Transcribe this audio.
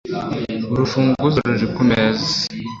urufunguzo ruri kumeza